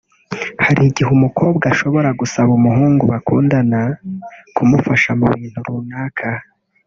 Hari gihe umukobwa ashobora gusaba umuhungu bakundana kumufasha mu bintu runaka